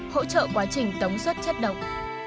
hỗ trợ quá trình tống xuất chất động